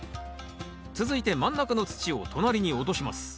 続いて真ん中の土を隣に落とします